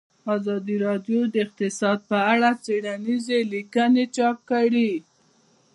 ازادي راډیو د اقتصاد په اړه څېړنیزې لیکنې چاپ کړي.